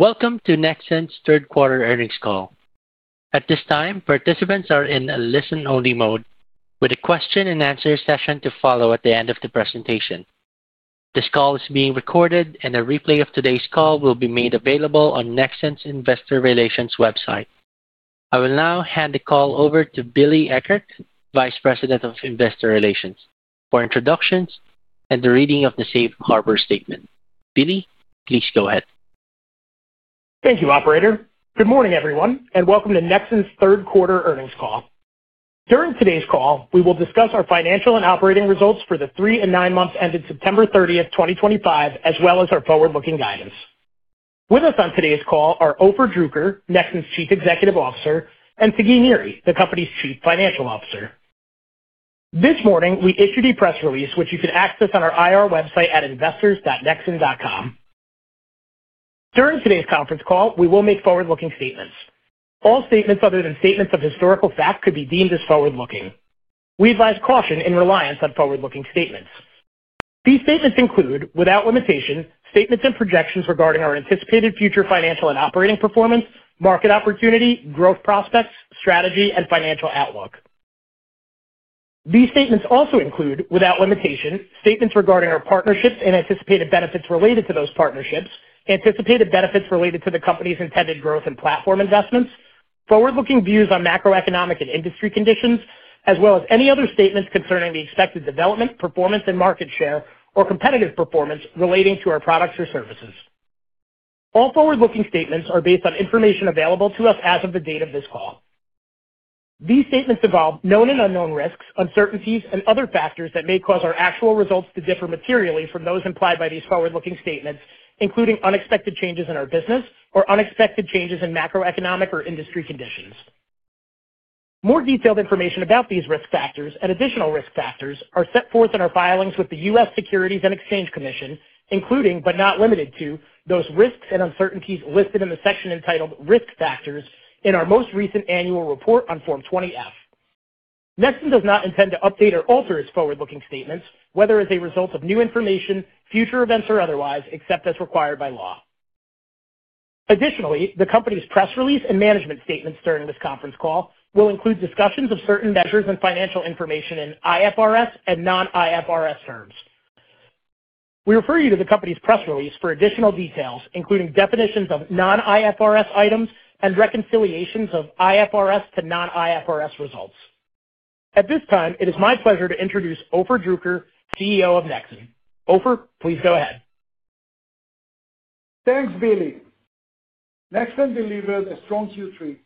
Welcome to Nexxen's third quarter earnings call. At this time, participants are in a listen-only mode, with a question-and-answer session to follow at the end of the presentation. This call is being recorded, and a replay of today's call will be made available on Nexxen's investor relations website. I will now hand the call over to Billy Eckert, Vice President of Investor Relations, for introductions and the reading of the Safe Harbor Statement. Billy, please go ahead. Thank you, Operator. Good morning, everyone, and welcome to Nexxen's third quarter earnings call. During today's call, we will discuss our financial and operating results for the three and nine months ending September 30th, 2025, as well as our forward-looking guidance. With us on today's call are Ofer Druker, Nexxen's Chief Executive Officer, and Sagi Niri, the company's Chief Financial Officer. This morning, we issued a press release, which you can access on our IR website at investors.nexxen.com. During today's conference call, we will make forward-looking statements. All statements other than statements of historical fact could be deemed as forward-looking. We advise caution in reliance on forward-looking statements. These statements include, without limitation, statements and projections regarding our anticipated future financial and operating performance, market opportunity, growth prospects, strategy, and financial outlook. These statements also include, without limitation, statements regarding our partnerships and anticipated benefits related to those partnerships, anticipated benefits related to the company's intended growth and platform investments, forward-looking views on macroeconomic and industry conditions, as well as any other statements concerning the expected development, performance, and market share or competitive performance relating to our products or services. All forward-looking statements are based on information available to us as of the date of this call. These statements involve known and unknown risks, uncertainties, and other factors that may cause our actual results to differ materially from those implied by these forward-looking statements, including unexpected changes in our business or unexpected changes in macroeconomic or industry conditions. More detailed information about these risk factors and additional risk factors are set forth in our filings with the U.S. Securities and Exchange Commission. Securities and Exchange Commission, including, but not limited to, those risks and uncertainties listed in the section entitled Risk Factors in our most recent annual report on Form 20F. Nexxen does not intend to update or alter its forward-looking statements, whether as a result of new information, future events, or otherwise, except as required by law. Additionally, the company's press release and management statements during this conference call will include discussions of certain measures and financial information in IFRS and non-IFRS terms. We refer you to the company's press release for additional details, including definitions of non-IFRS items and reconciliations of IFRS to non-IFRS results. At this time, it is my pleasure to introduce Ofer Druker, CEO of Nexxen. Ofer, please go ahead. Thanks, Billy. Nexxen delivered a strong Q3,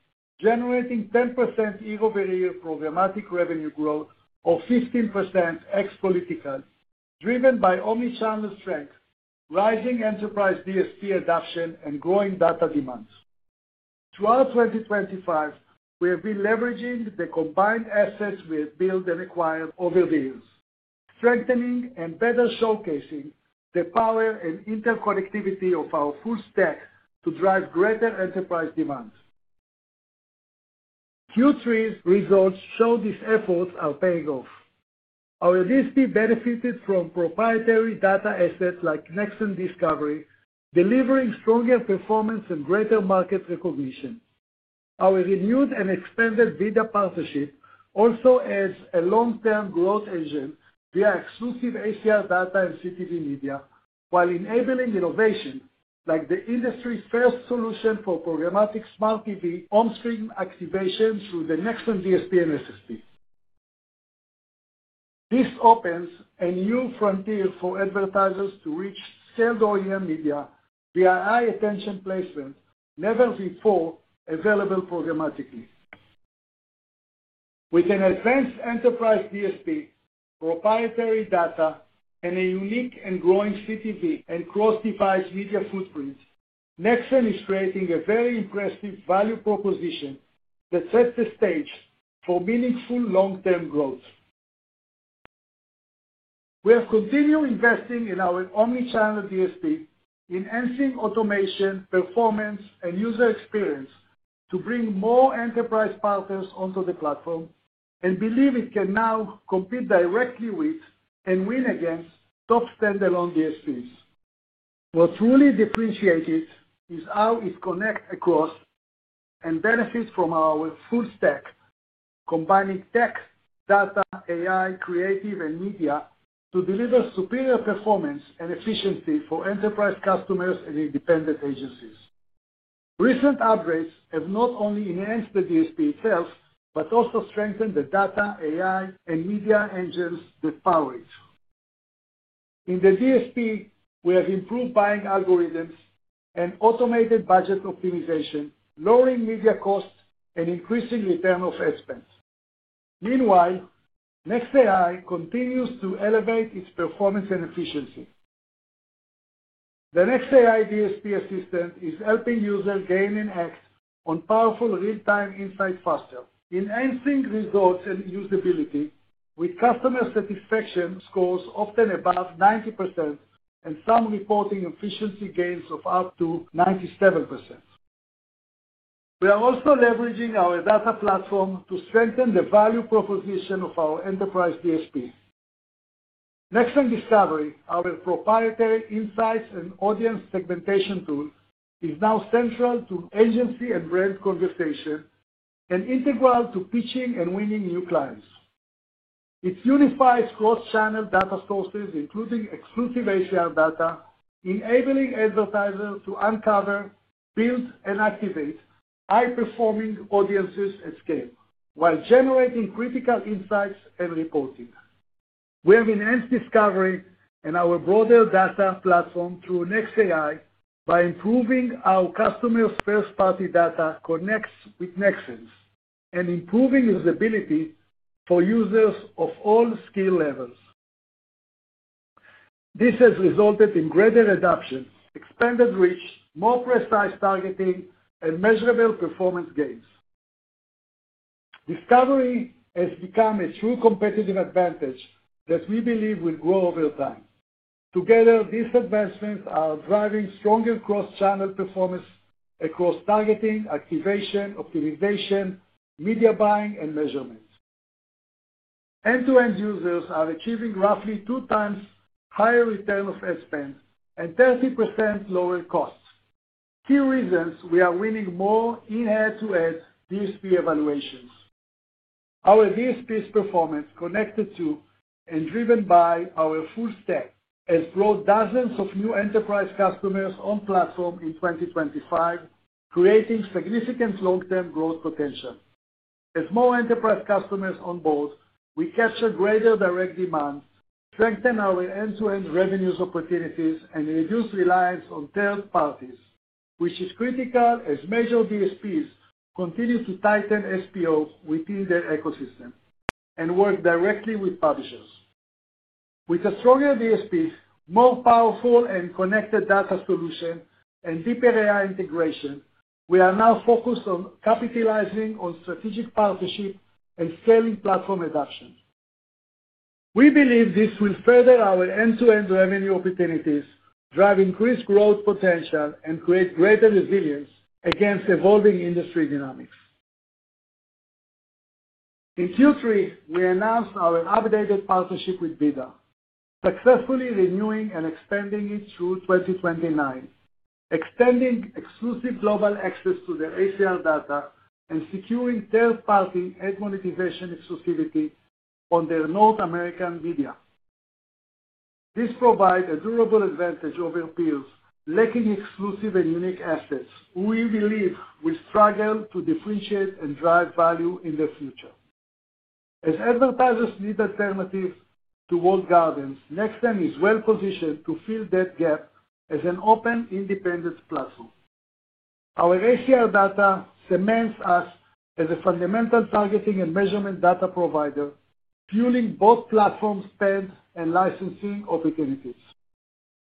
generating 10% EGO barrier programmatic revenue growth of 15% ex-political, driven by omnichannel strength, rising enterprise DSP adoption, and growing data demands. Throughout 2025, we have been leveraging the combined assets we have built and acquired over the years, strengthening and better showcasing the power and interconnectivity of our full stack to drive greater enterprise demands. Q3's results show these efforts are paying off. Our DSP benefited from proprietary data assets like Nexxen Discovery, delivering stronger performance and greater market recognition. Our renewed and expanded VIDAA partnership also adds a long-term growth engine via exclusive ACR data and CTV media, while enabling innovation like the industry's first solution for programmatic smart TV on-stream activation through the Nexxen DSP and SSP. This opens a new frontier for advertisers to reach scaled OEM media via high-attention placement, never before available programmatically. With an advanced enterprise DSP, proprietary data, and a unique and growing CTV and cross-device media footprint, Nexxen is creating a very impressive value proposition that sets the stage for meaningful long-term growth. We have continued investing in our omnichannel DSP, enhancing automation, performance, and user experience to bring more enterprise partners onto the platform, and believe it can now compete directly with and win against top standalone DSPs. What truly differentiates it is how it connects across and benefits from our full stack, combining tech, data, AI, creative, and media to deliver superior performance and efficiency for enterprise customers and independent agencies. Recent upgrades have not only enhanced the DSP itself but also strengthened the data, AI, and media engines that power it. In the DSP, we have improved buying algorithms and automated budget optimization, lowering media costs and increasing return on expense. Meanwhile, NexxAI continues to elevate its performance and efficiency. The NexxAI DSP assistant is helping users gain and act on powerful real-time insights faster, enhancing results and usability with customer satisfaction scores often above 90% and some reporting efficiency gains of up to 97%. We are also leveraging our data platform to strengthen the value proposition of our enterprise DSP. Nexxen Discovery, our proprietary insights and audience segmentation tool, is now central to agency and brand conversation and integral to pitching and winning new clients. It unifies cross-channel data sources, including exclusive ACR data, enabling advertisers to uncover, build, and activate high-performing audiences at scale while generating critical insights and reporting. We have enhanced Discovery and our broader data platform through NexxAI by improving our customer's first-party data connects with Nexxen's and improving usability for users of all skill levels. This has resulted in greater adoption, expanded reach, more precise targeting, and measurable performance gains. Discovery has become a true competitive advantage that we believe will grow over time. Together, these advancements are driving stronger cross-channel performance across targeting, activation, optimization, media buying, and measurement. End-to-end users are achieving roughly 2x higher return on expense and 30% lower costs. Key reasons we are winning more in head-to-head DSP evaluations. Our DSP's performance, connected to and driven by our full stack, has brought dozens of new enterprise customers on the platform in 2025, creating significant long-term growth potential. As more enterprise customers on board, we capture greater direct demand, strengthen our end-to-end revenues opportunities, and reduce reliance on third parties, which is critical as major DSPs continue to tighten SPO within their ecosystem and work directly with publishers. With a stronger DSP, more powerful and connected data solution, and deeper AI integration, we are now focused on capitalizing on strategic partnership and scaling platform adoption. We believe this will further our end-to-end revenue opportunities, drive increased growth potential, and create greater resilience against evolving industry dynamics. In Q3, we announced our updated partnership with VIDAA, successfully renewing and expanding it through 2029, extending exclusive global access to their ACR data and securing third-party ad monetization exclusivity on their North American media. This provides a durable advantage over peers lacking exclusive and unique assets who we believe will struggle to differentiate and drive value in the future. As advertisers need alternatives to walled gardens, Nexxen is well-positioned to fill that gap as an open, independent platform. Our ACR data cements us as a fundamental targeting and measurement data provider, fueling both platform spend and licensing opportunities.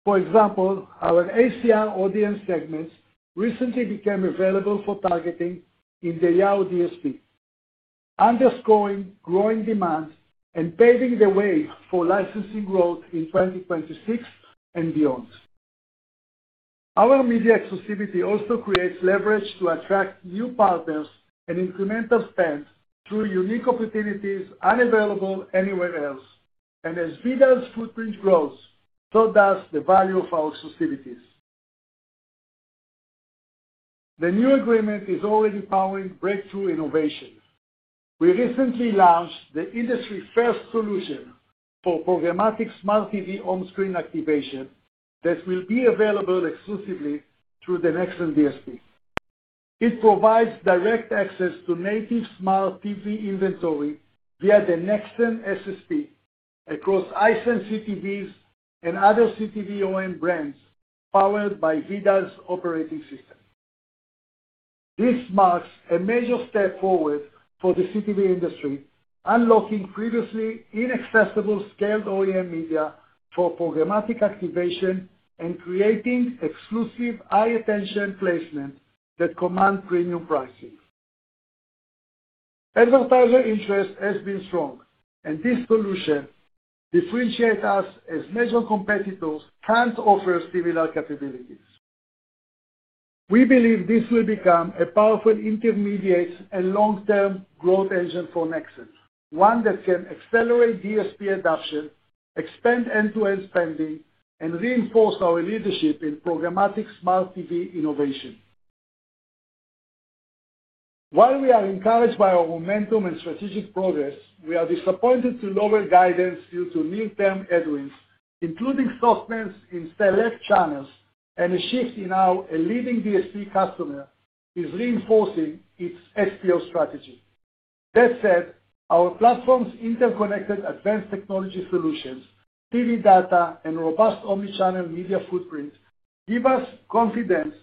For example, our ACR audience segments recently became available for targeting in the Yahoo DSP, underscoring growing demand and paving the way for licensing growth in 2026 and beyond. Our media exclusivity also creates leverage to attract new partners and incremental spend through unique opportunities unavailable anywhere else, and as VIDAA's footprint grows, so does the value of our exclusivities. The new agreement is already powering breakthrough innovation. We recently launched the industry-first solution for programmatic smart TV on-screen activation that will be available exclusively through the Nexxen DSP. It provides direct access to native smart TV inventory via the Nexxen SSP across Hisense CTVs and other CTV OEM brands powered by VIDAA's operating system. This marks a major step forward for the CTV industry, unlocking previously inaccessible scaled OEM media for programmatic activation and creating exclusive high-attention placements that command premium pricing. Advertiser interest has been strong, and this solution differentiates us as major competitors can't offer similar capabilities. We believe this will become a powerful intermediate and long-term growth engine for Nexxen, one that can accelerate DSP adoption, expand end-to-end spending, and reinforce our leadership in programmatic smart TV innovation. While we are encouraged by our momentum and strategic progress, we are disappointed to lower guidance due to near-term headwinds, including softness in select channels, and a shift in how a leading DSP customer is reinforcing its SPO strategy. That said, our platform's interconnected advanced technology solutions, TV data, and robust omnichannel media footprint give us confidence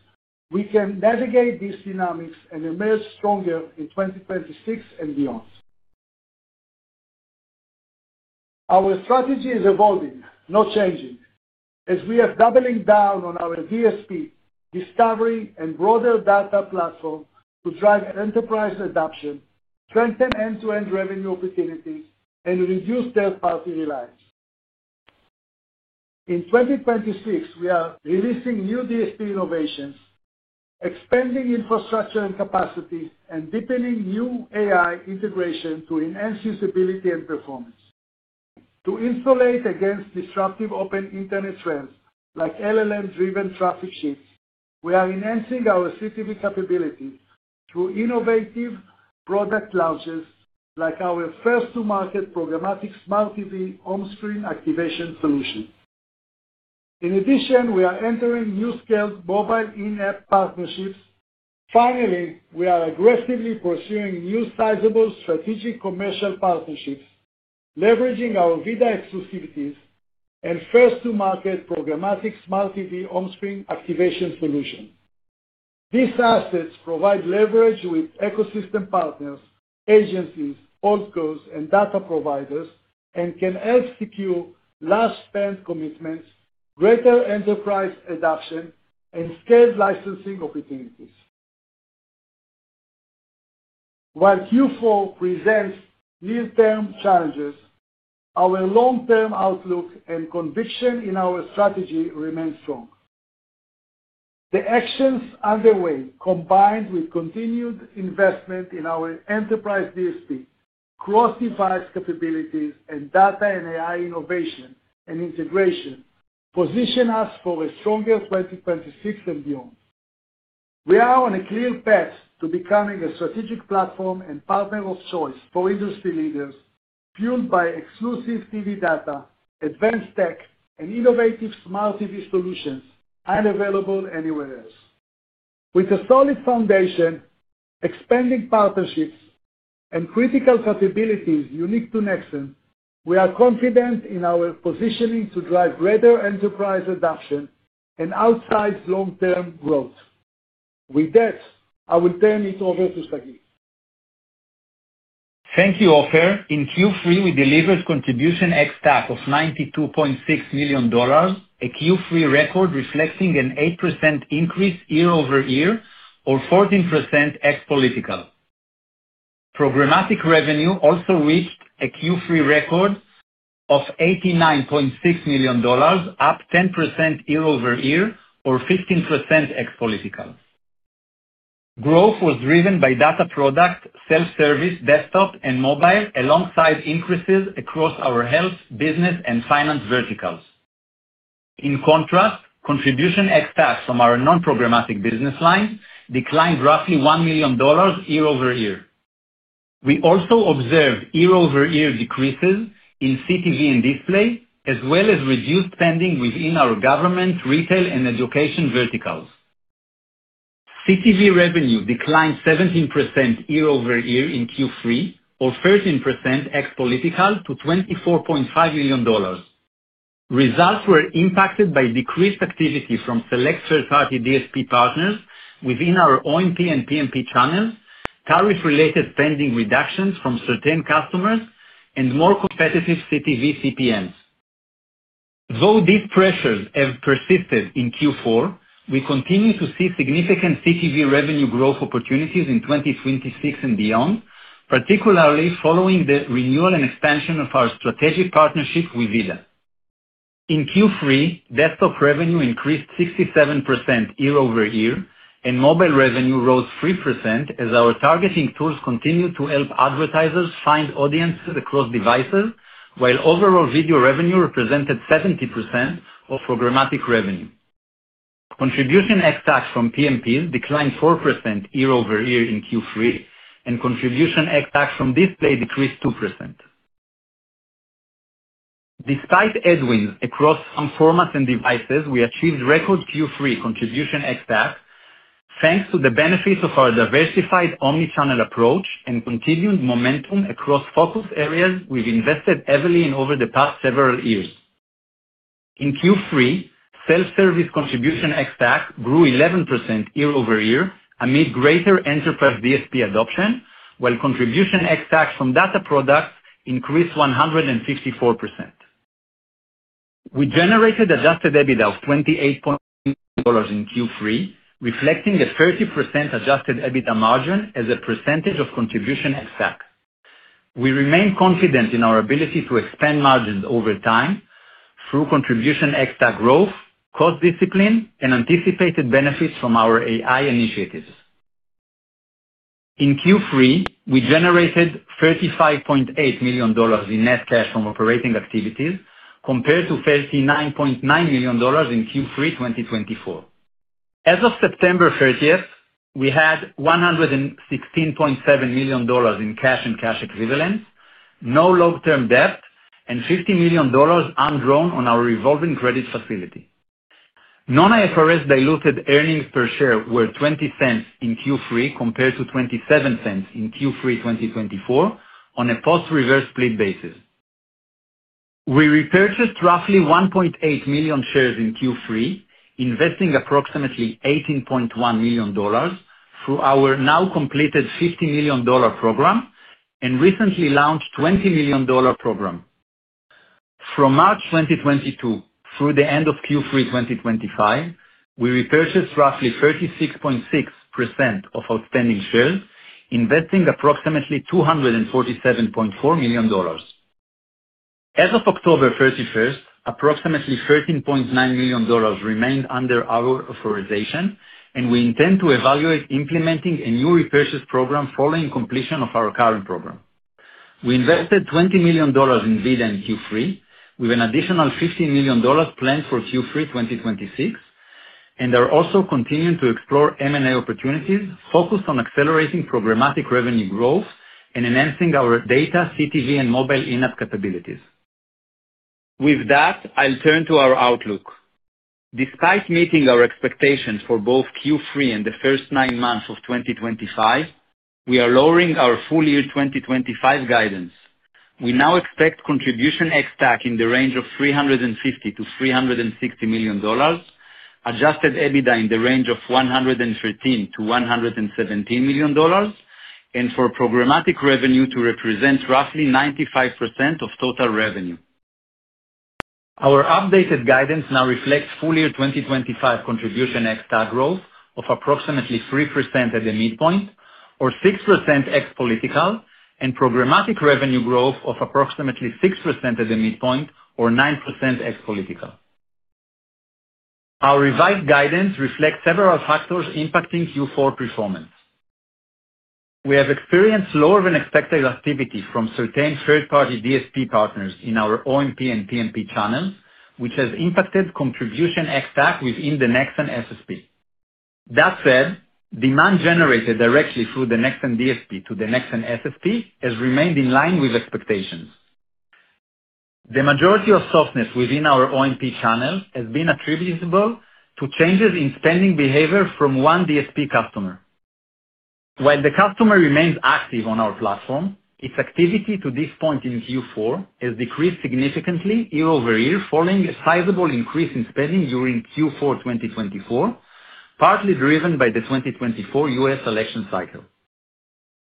we can navigate these dynamics and emerge stronger in 2026 and beyond. Our strategy is evolving, not changing, as we are doubling down on our DSP, Discovery, and broader data platform to drive enterprise adoption, strengthen end-to-end revenue opportunities, and reduce third-party reliance. In 2026, we are releasing new DSP innovations, expanding infrastructure and capacity, and deepening new AI integration to enhance usability and performance. To insulate against disruptive open internet trends like LLM-driven traffic sheets, we are enhancing our CTV capability through innovative product launches like our first-to-market programmatic smart TV on-screen activation solution. In addition, we are entering new scaled mobile in-app partnerships. Finally, we are aggressively pursuing new sizable strategic commercial partnerships, leveraging our VIDAA exclusivities and first-to-market programmatic smart TV on-screen activation solutions. These assets provide leverage with ecosystem partners, agencies, outgoes, and data providers, and can help secure large spend commitments, greater enterprise adoption, and scaled licensing opportunities. While Q4 presents near-term challenges, our long-term outlook and conviction in our strategy remain strong. The actions underway, combined with continued investment in our enterprise DSP, cross-device capabilities, and data and AI innovation and integration, position us for a stronger 2026 and beyond. We are on a clear path to becoming a strategic platform and partner of choice for industry leaders, fueled by exclusive TV data, advanced tech, and innovative smart TV solutions unavailable anywhere else. With a solid foundation, expanding partnerships, and critical capabilities unique to Nexxen, we are confident in our positioning to drive greater enterprise adoption and outsize long-term growth. With that, I will turn it over to Sagi. Thank you, Ofer Druker. In Q3, we delivered contribution ex-TAC of $92.6 million, a Q3 record reflecting an 8% increase year-over-year or 14% ex-political. Programmatic revenue also reached a Q3 record of $89.6 million, up 10% year-over-year or 15% ex-political. Growth was driven by data products, self-service, desktop, and mobile, alongside increases across our health, business, and finance verticals. In contrast, contribution ex-TAC from our non-programmatic business line declined roughly $1 million year-over-year. We also observed year-over-year decreases in CTV and display, as well as reduced spending within our government, retail, and education verticals. CTV revenue declined 17% year-over-year in Q3, or 13% ex-political, to $24.5 million. Results were impacted by decreased activity from select third-party DSP partners within our OMP and PMP channels, tariff-related spending reductions from certain customers, and more competitive CTV CPMs. Though these pressures have persisted in Q4, we continue to see significant CTV revenue growth opportunities in 2026 and beyond, particularly following the renewal and expansion of our strategic partnership with VIDAA. In Q3, desktop revenue increased 67% year-over-year, and mobile revenue rose 3% as our targeting tools continue to help advertisers find audiences across devices, while overall video revenue represented 70% of programmatic revenue. Contribution ex-TAC from PMPs declined 4% year-over-year in Q3, and contribution ex-TAC from display decreased 2%. Despite headwinds across some formats and devices, we achieved record Q3 contribution ex-TAC thanks to the benefits of our diversified omnichannel approach and continued momentum across focus areas we've invested heavily in over the past several years. In Q3, self-service contribution ex-TAC grew 11% year-over-year amid greater enterprise DSP adoption, while contribution ex-TAC from data products increased 154%. We generated Adjusted EBITDA of $28.6 million in Q3, reflecting a 30% Adjusted EBITDA margin as a percentage of contribution ex-TAC. We remain confident in our ability to expand margins over time through contribution ex-TAC growth, cost discipline, and anticipated benefits from our AI initiatives. In Q3, we generated $35.8 million in net cash from operating activities, compared to $39.9 million in Q3 2024. As of September 30th, we had $116.7 million in cash and cash equivalents, no long-term debt, and $50 million undrawn on our revolving credit facility. Non-IFRS diluted earnings per share were $0.20 in Q3 compared to $0.27 in Q3 2024 on a post-reverse split basis. We repurchased roughly 1.8 million shares in Q3, investing approximately $18.1 million through our now-completed $50 million program and recently launched $20 million program. From March 2022 through the end of Q3 2025, we repurchased roughly 36.6% of outstanding shares, investing approximately $247.4 million. As of October 31st, approximately $13.9 million remained under our authorization, and we intend to evaluate implementing a new repurchase program following completion of our current program. We invested $20 million in VIDAA in Q3, with an additional $15 million planned for Q3 2026, and are also continuing to explore M&A opportunities focused on accelerating programmatic revenue growth and enhancing our data, CTV, and mobile in-app capabilities. With that, I'll turn to our outlook. Despite meeting our expectations for both Q3 and the first nine months of 2025, we are lowering our full year 2025 guidance. We now expect contribution ex-TAC in the range of $350 million-$360 million, Adjusted EBITDA in the range of $113 million-$117 million, and for programmatic revenue to represent roughly 95% of total revenue. Our updated guidance now reflects full year 2025 contribution ex-TAC growth of approximately 3% at the midpoint, or 6% ex-political, and programmatic revenue growth of approximately 6% at the midpoint, or 9% ex-political. Our revised guidance reflects several factors impacting Q4 performance. We have experienced lower-than-expected activity from certain third-party DSP partners in our OMP and PMP channels, which has impacted contribution ex-TAC within the Nexxen SSP. That said, demand generated directly through the Nexxen DSP to the Nexxen SSP has remained in line with expectations. The majority of softness within our OMP channel has been attributable to changes in spending behavior from one DSP customer. While the customer remains active on our platform, its activity to this point in Q4 has decreased significantly year-over-year, following a sizable increase in spending during Q4 2024, partly driven by the 2024 U.S. election cycle.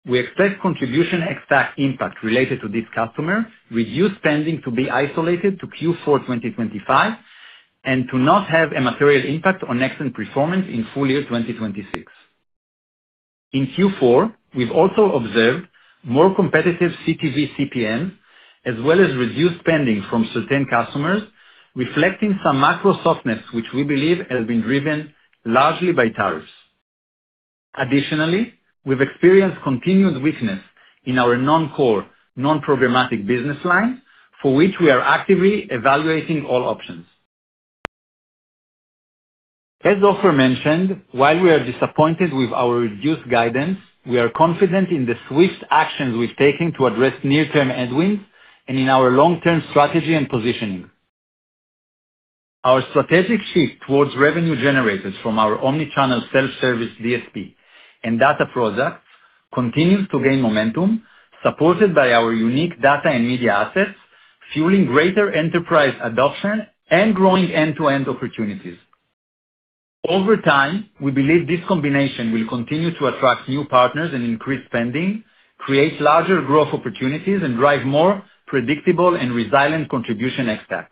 We expect contribution ex-TAC impact related to this customer reduced spending to be isolated to Q4 2025 and to not have a material impact on Nexxen performance in full year 2026. In Q4, we've also observed more competitive CTV CPMs, as well as reduced spending from certain customers, reflecting some macro softness, which we believe has been driven largely by tariffs. Additionally, we've experienced continued weakness in our non-core, non-programmatic business lines, for which we are actively evaluating all options. As Ofer mentioned, while we are disappointed with our reduced guidance, we are confident in the swift actions we've taken to address near-term headwinds and in our long-term strategy and positioning. Our strategic shift towards revenue generators from our omnichannel self-service DSP and data products continues to gain momentum, supported by our unique data and media assets, fueling greater enterprise adoption and growing end-to-end opportunities. Over time, we believe this combination will continue to attract new partners and increase spending, create larger growth opportunities, and drive more predictable and resilient contribution ex-TAC.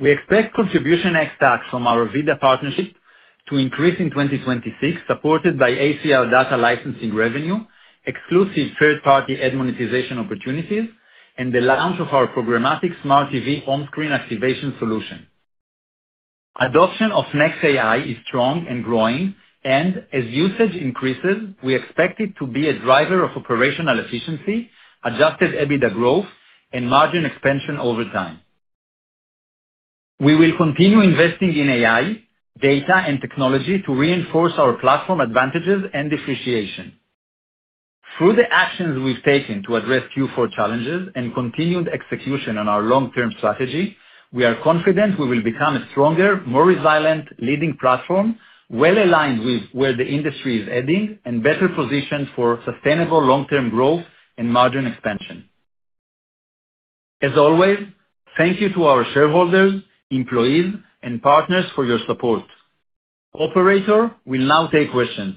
We expect contribution ex-TAC from our VIDAA partnership to increase in 2026, supported by ACR data licensing revenue, exclusive third-party ad monetization opportunities, and the launch of our programmatic smart TV on-screen activation solution. Adoption of NexxAI is strong and growing, and as usage increases, we expect it to be a driver of operational efficiency, Adjusted EBITDA growth, and margin expansion over time. We will continue investing in AI, data, and technology to reinforce our platform advantages and differentiation. Through the actions we've taken to address Q4 challenges and continued execution on our long-term strategy, we are confident we will become a stronger, more resilient leading platform, well-aligned with where the industry is heading, and better positioned for sustainable long-term growth and margin expansion. As always, thank you to our shareholders, employees, and partners for your support. Operator, we'll now take questions.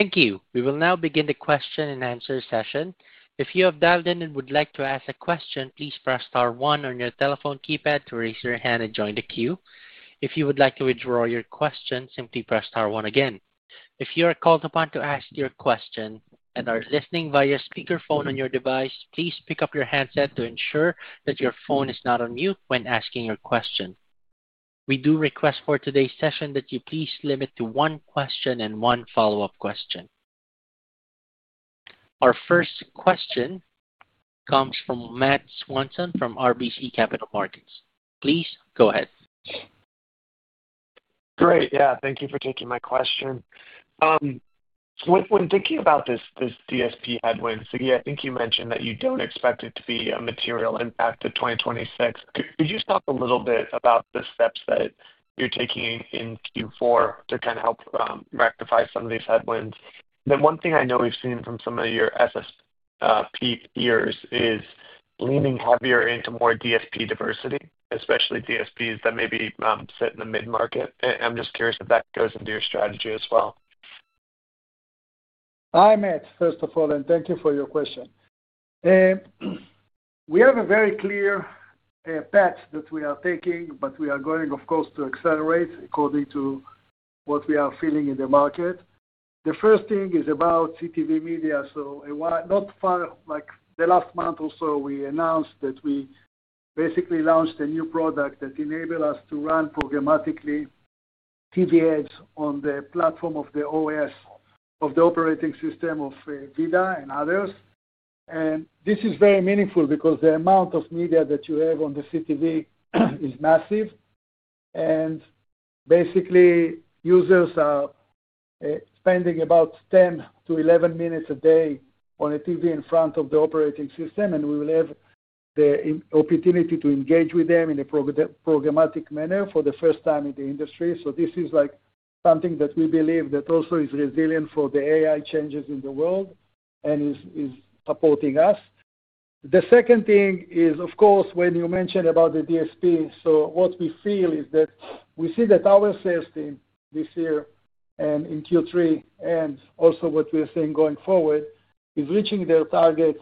Thank you. We will now begin the question-and-answer session. If you have dialed in and would like to ask a question, please press star one on your telephone keypad to raise your hand and join the queue. If you would like to withdraw your question, simply press star one again. If you are called upon to ask your question and are listening via speakerphone on your device, please pick up your handset to ensure that your phone is not on mute when asking your question. We do request for today's session that you please limit to one question and one follow-up question. Our first question comes from Matt Swanson from RBC Capital Markets. Please go ahead. Great. Yeah, thank you for taking my question. When thinking about this DSP headwind, Sagi, I think you mentioned that you don't expect it to be a material impact to 2026. Could you talk a little bit about the steps that you're taking in Q4 to kind of help rectify some of these headwinds? The one thing I know we've seen from some of your SSP peers is leaning heavier into more DSP diversity, especially DSPs that maybe sit in the mid-market. I'm just curious if that goes into your strategy as well. Hi, Matt. First of all, thank you for your question. We have a very clear path that we are taking, but we are going, of course, to accelerate according to what we are feeling in the market. The first thing is about CTV media. Not far, like the last month or so, we announced that we basically launched a new product that enables us to run programmatically TV ads on the platform of the OS, of the operating system of VIDAA and others. This is very meaningful because the amount of media that you have on the CTV is massive. Basically, users are spending about 10-11 minutes a day on a TV in front of the operating system, and we will have the opportunity to engage with them in a programmatic manner for the first time in the industry. This is something that we believe that also is resilient for the AI changes in the world and is supporting us. The second thing is, of course, when you mentioned about the DSP, what we feel is that we see that our sales team this year and in Q3, and also what we're seeing going forward, is reaching their targets,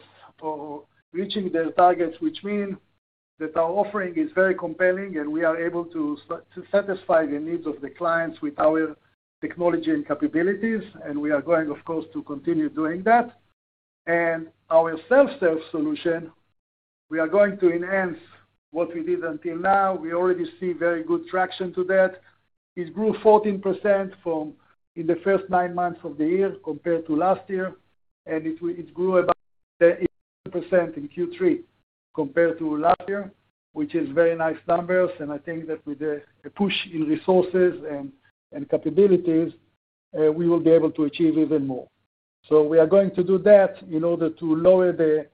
which means that our offering is very compelling and we are able to satisfy the needs of the clients with our technology and capabilities, and we are going, of course, to continue doing that. Our self-service solution, we are going to enhance what we did until now. We already see very good traction to that. It grew 14% in the first nine months of the year compared to last year, and it grew about 10% in Q3 compared to last year, which is very nice numbers. I think that with the push in resources and capabilities, we will be able to achieve even more. We are going to do that in order to lower the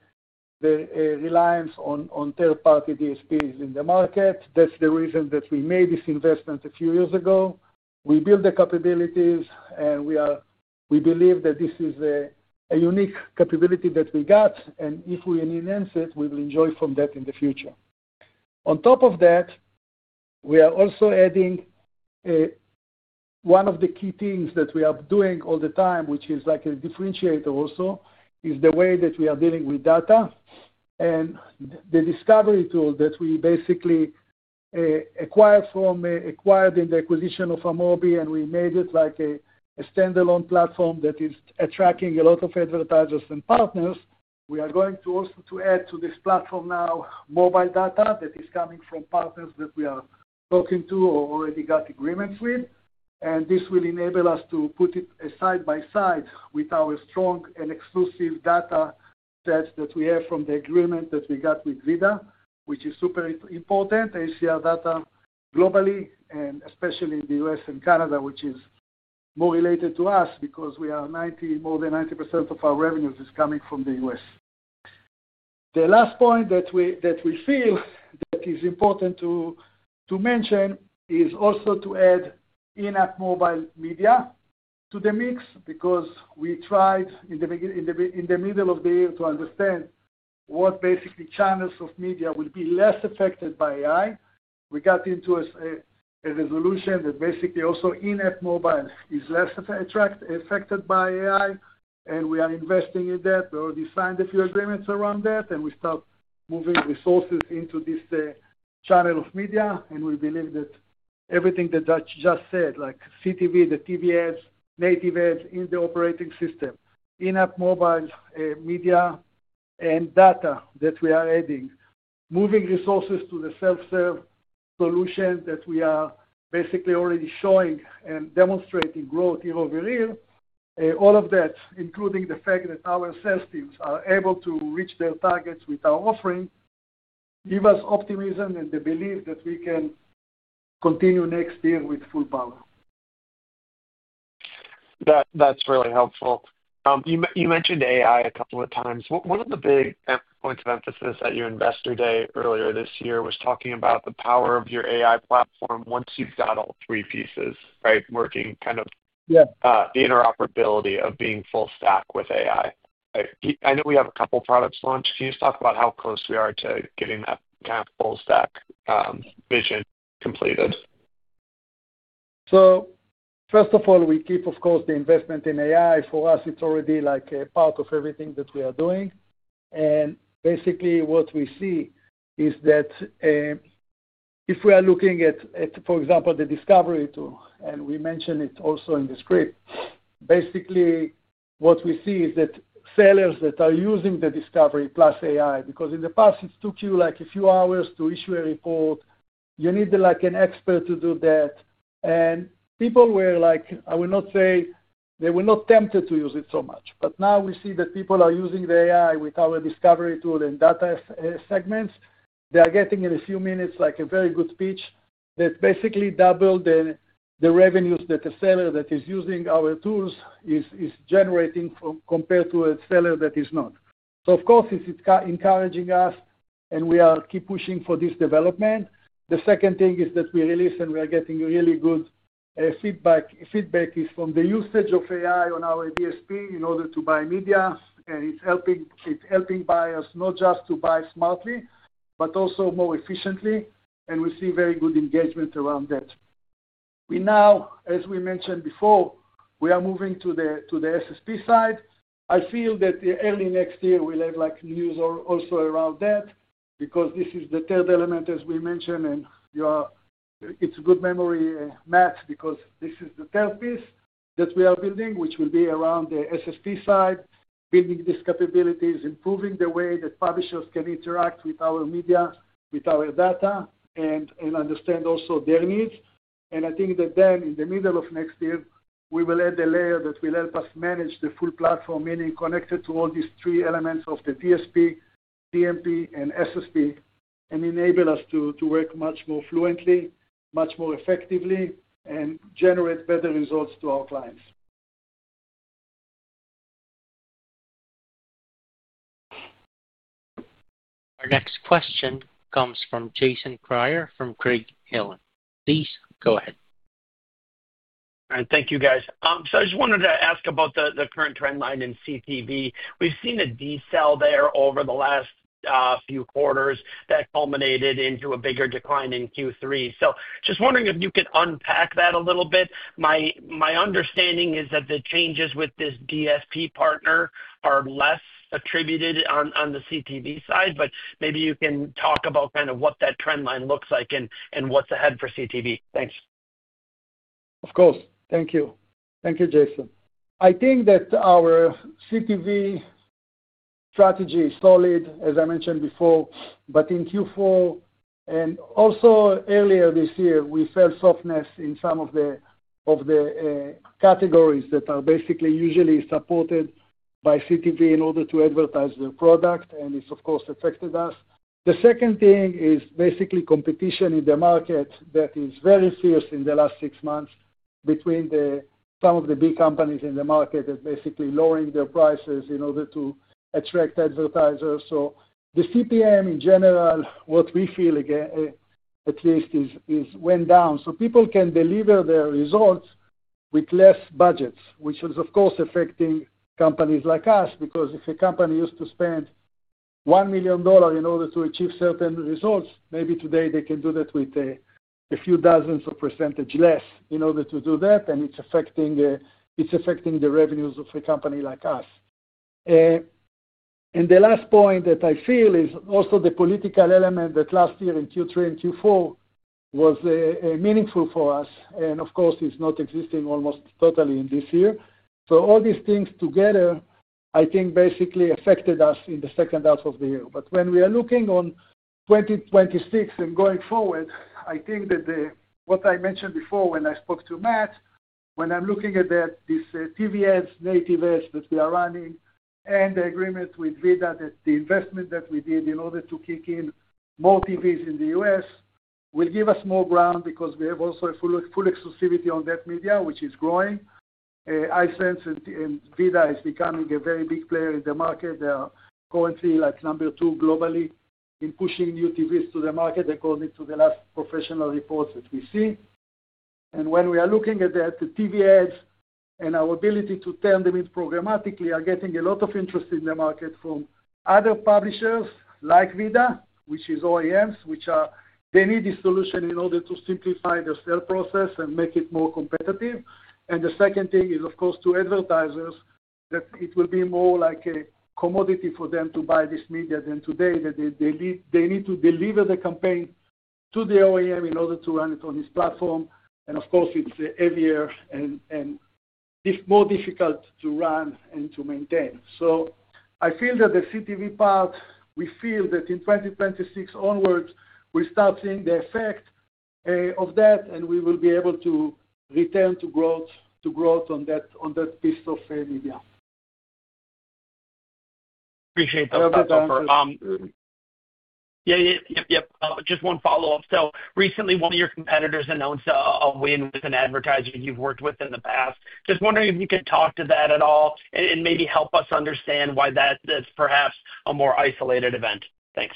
reliance on third-party DSPs in the market. That is the reason that we made this investment a few years ago. We built the capabilities, and we believe that this is a unique capability that we got, and if we enhance it, we will enjoy from that in the future. On top of that, we are also adding one of the key things that we are doing all the time, which is like a differentiator also, is the way that we are dealing with data. The Discovery tool that we basically acquired in the acquisition of Amobee, and we made it like a standalone platform that is attracting a lot of advertisers and partners. We are going to also add to this platform now mobile data that is coming from partners that we are talking to or already got agreements with. This will enable us to put it side by side with our strong and exclusive data sets that we have from the agreement that we got with VIDAA, which is super important, ACR data globally, and especially in the U.S. and Canada, which is more related to us because more than 90% of our revenues is coming from the U.S. The last point that we feel that is important to mention is also to add in-app mobile media to the mix because we tried in the middle of the year to understand what basically channels of media will be less affected by AI. We got into a resolution that basically also in-app mobile is less affected by AI, and we are investing in that. We already signed a few agreements around that, and we start moving resources into this channel of media. We believe that everything that I just said, like CTV, the TV ads, native ads in the operating system, in-app mobile media, and data that we are adding, moving resources to the self-serve solution that we are basically already showing and demonstrating growth year over year, all of that, including the fact that our sales teams are able to reach their targets with our offering, gives us optimism and the belief that we can continue next year with full power. That's really helpful. You mentioned AI a couple of times one of the big points of emphasis at your investor day earlier this year was talking about the power of your AI platform once you've got all three pieces, right? Working kind of the interoperability of being full stack with AI. I know we have a couple of products launched. Can you just talk about how close we are to getting that kind of full stack vision completed? First of all, we keep, of course, the investment in AI. For us, it's already like a part of everything that we are doing. Basically, what we see is that if we are looking at, for example, the Discovery tool, and we mentioned it also in the script, basically what we see is that sellers that are using the Discovery+ AI, because in the past, it took you like a few hours to issue a report. You needed like an expert to do that. And people were like, I will not say they were not tempted to use it so much. But now we see that people are using the AI with our Discovery tool and data segments. They are getting in a few minutes like a very good pitch that basically doubled the revenues that a seller that is using our tools is generating compared to a seller that is not. Of course, it is encouraging us, and we are keep pushing for this development. The second thing is that we release and we are getting really good feedback. Feedback is from the usage of AI on our DSP in order to buy media. It is helping buyers not just to buy smartly, but also more efficiently. We see very good engagement around that. Now, as we mentioned before, we are moving to the SSP side. I feel that early next year we'll have news also around that because this is the third element, as we mentioned, and it's a good memory, Matt, because this is the third piece that we are building, which will be around the SSP side, building these capabilities, improving the way that publishers can interact with our media, with our data, and understand also their needs. I think that then in the middle of next year, we will add the layer that will help us manage the full platform, meaning connected to all these three elements of the DSP, DMP, and SSP, and enable us to work much more fluently, much more effectively, and generate better results to our clients. Our next question comes from Jason Kreyer from Craig-Hallum. Please go ahead. All right. Thank you, guys. I just wanted to ask about the current trend line in CTV. We've seen a decel there over the last few quarters that culminated into a bigger decline in Q3. I am just wondering if you could unpack that a little bit. My understanding is that the changes with this DSP partner are less attributed on the CTV side, but maybe you can talk about kind of what that trend line looks like and what's ahead for CTV. Thanks. Of course. Thank you. Thank you, Jason. I think that our CTV strategy is solid, as I mentioned before, but in Q4 and also earlier this year, we felt softness in some of the categories that are basically usually supported by CTV in order to advertise their product, and it's, of course, affected us. The second thing is basically competition in the market that is very fierce in the last six months between some of the big companies in the market that are basically lowering their prices in order to attract advertisers. The CPM, in general, what we feel again, at least, went down. People can deliver their results with less budgets, which is, of course, affecting companies like us because if a company used to spend $1 million in order to achieve certain results, maybe today they can do that with a few dozens of % less in order to do that, and it is affecting the revenues of a company like us. The last point that I feel is also the political element that last year in Q3 and Q4 was meaningful for us, and of course, is not existing almost totally in this year. All these things together, I think, basically affected us in the second half of the year. When we are looking on 2026 and going forward, I think that what I mentioned before when I spoke to Matt, when I'm looking at these TV ads, native ads that we are running, and the agreement with VIDAA, that the investment that we did in order to kick in more TVs in the U.S. will give us more ground because we have also full exclusivity on that media, which is growing. iSense and VIDAA are becoming a very big player in the market. They are currently like number two globally in pushing new TVs to the market according to the last professional reports that we see. When we are looking at the TV ads and our ability to turn them in programmatically, we are getting a lot of interest in the market from other publishers like VIDAA, which is OEMs, which they need this solution in order to simplify their sale process and make it more competitive. The second thing is, of course, to advertisers that it will be more like a commodity for them to buy this media than today that they need to deliver the campaign to the OEM in order to run it on his platform. Of course, it is heavier and more difficult to run and to maintain. I feel that the CTV part, we feel that in 2026 onwards, we will start seeing the effect of that, and we will be able to return to growth on that piece of media. Appreciate that, Dr. Yeah, yeah, yeah. Just one follow-up. Recently, one of your competitors announced a win with an advertiser you've worked with in the past. Just wondering if you could talk to that at all and maybe help us understand why that's perhaps a more isolated event. Thanks.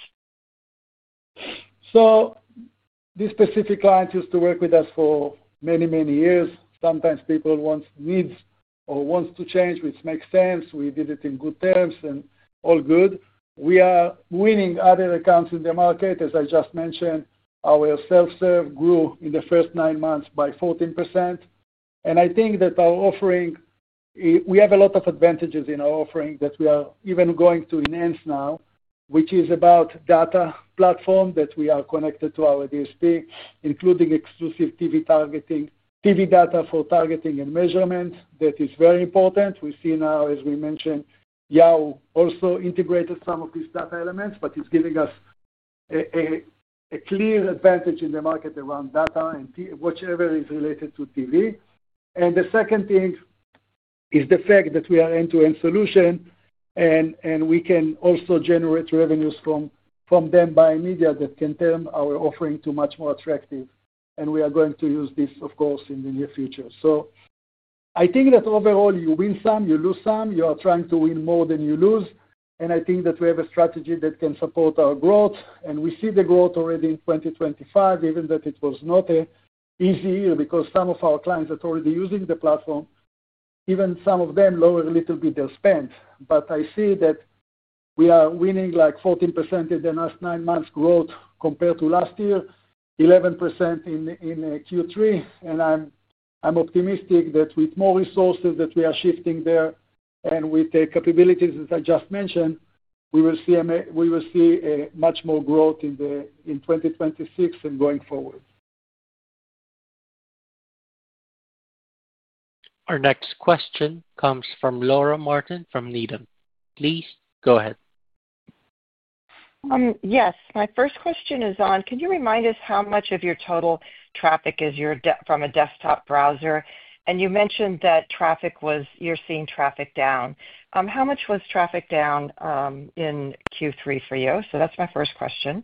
This specific client used to work with us for many, many years. Sometimes people need or want to change, which makes sense. We did it in good terms and all good. We are winning other accounts in the market. As I just mentioned, our self-serve grew in the first nine months by 14%. I think that our offering, we have a lot of advantages in our offering that we are even going to enhance now, which is about data platform that we are connected to our DSP, including exclusive TV data for targeting and measurement. That is very important. We see now, as we mentioned, Yahoo also integrated some of these data elements, but it is giving us a clear advantage in the market around data and whatever is related to TV. The second thing is the fact that we are an end-to-end solution, and we can also generate revenues from them by media that can turn our offering to much more attractive. We are going to use this, of course, in the near future. I think that overall, you win some, you lose some. You are trying to win more than you lose. I think that we have a strategy that can support our growth. We see the growth already in 2025, even though it was not an easy year because some of our clients are already using the platform. Even some of them lower a little bit their spend. I see that we are winning like 14% in the last nine months' growth compared to last year, 11% in Q3. I am optimistic that with more resources that we are shifting there and with the capabilities that I just mentioned, we will see much more growth in 2026 and going forward. Our next question comes from Laura Martin from Needham. Please go ahead. Yes. My first question is on, can you remind us how much of your total traffic is from a desktop browser? You mentioned that you are seeing traffic down. How much was traffic down in Q3 for you? That is my first question.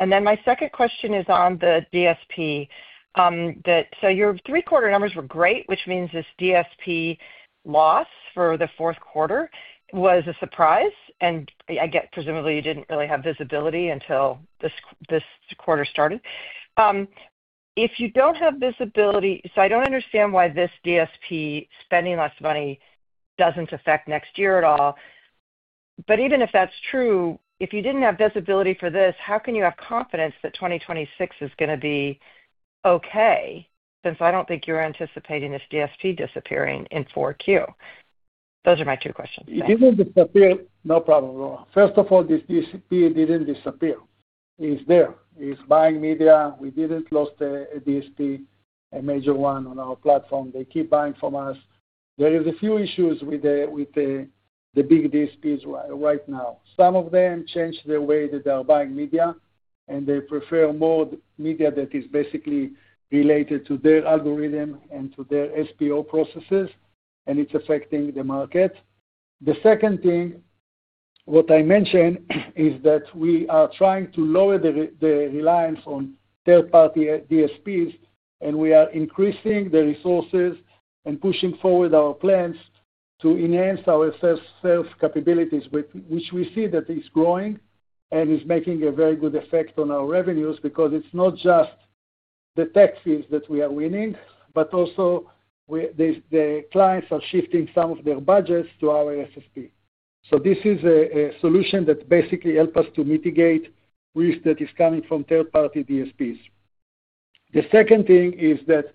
My second question is on the DSP. Your three-quarter numbers were great, which means this DSP loss for the fourth quarter was a surprise. I guess, presumably, you did not really have visibility until this quarter started. If you do not have visibility, I do not understand why this DSP spending less money does not affect next year at all. Even if that is true, if you did not have visibility for this, how can you have confidence that 2026 is going to be okay? I do not think you are anticipating this DSP disappearing in Q4. Those are my two questions. It did not disappear. No problem. First of all, this DSP did not disappear. It is there. It is buying media. We did not lose a DSP, a major one on our platform. They keep buying from us. There are a few issues with the big DSPs right now. Some of them changed the way that they are buying media, and they prefer more media that is basically related to their algorithm and to their SPO processes, and it is affecting the market. The second thing, what I mentioned, is that we are trying to lower the reliance on third-party DSPs, and we are increasing the resources and pushing forward our plans to enhance our self-capabilities, which we see that it's growing and is making a very good effect on our revenues because it's not just the tech fees that we are winning, but also the clients are shifting some of their budgets to our SSP. This is a solution that basically helps us to mitigate risk that is coming from third-party DSPs. The second thing is that